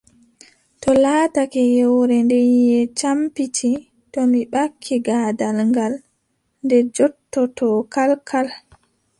To laatake yewre nde ƴiƴe campiti, to mi ɓakki gaadal ngaal, ɗe njoototoo kalkal.